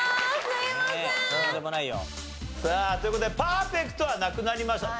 さあという事でパーフェクトはなくなりました。